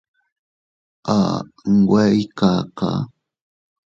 A nwe ii kakaa.